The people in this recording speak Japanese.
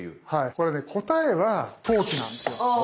これね答えは投機なんですよ。